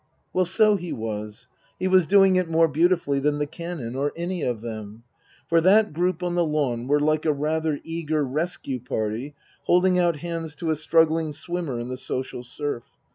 Well, so he was. He was doing it more beautifully than the Canon or any of them. For that group on the lawn were like a rather eager rescue party, holding out hands to a struggling swimmer in the social surf.